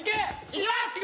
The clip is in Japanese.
いきます！